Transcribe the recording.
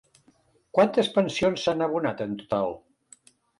Quantes pensions s'han abonat en total?